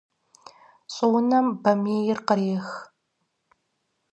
Щӏыунэм бамейр кърех.